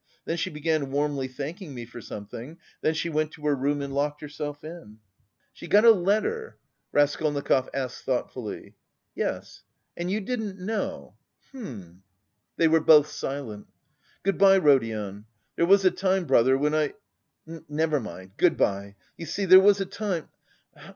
then she began warmly thanking me for something; then she went to her room and locked herself in." "She got a letter?" Raskolnikov asked thoughtfully. "Yes, and you didn't know? hm..." They were both silent. "Good bye, Rodion. There was a time, brother, when I.... Never mind, good bye. You see, there was a time....